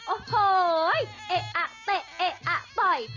โอ้โหเอ๊ะอะเตะเอ๊ะอะต่อย